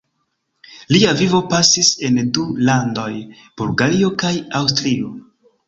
Lia vivo pasis en du landoj: Bulgario kaj Aŭstrio.